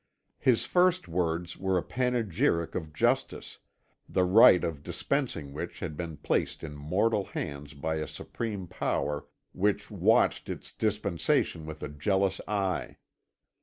His first words were a panegyric of justice, the right of dispensing which had been placed in mortal hands by a Supreme Power which watched its dispensation with a jealous eye.